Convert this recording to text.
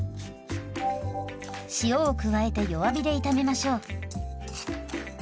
塩を加えて弱火で炒めましょう。